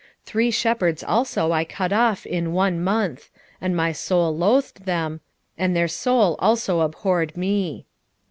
11:8 Three shepherds also I cut off in one month; and my soul lothed them, and their soul also abhorred me.